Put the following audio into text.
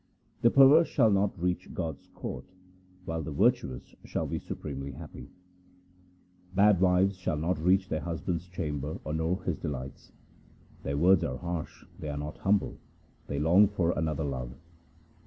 The perverse shall not reach God's court, while the virtuous shall be supremely happy :— Bad wives shall not reach their husband's chamber or know his delights. Their words are harsh, they are not humble, they long for another love.